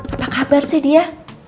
apa kabar sih dia